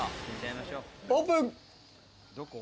オープン。